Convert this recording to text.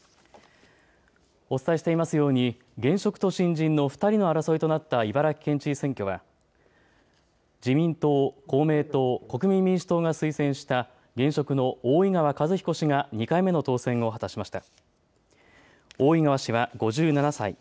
お伝えしていますように現職と新人の２人の争いとなった茨城県知事選挙は自民党、公明党、国民民主党が推薦した現職の大井川和彦氏が２回目の当選を果たしました。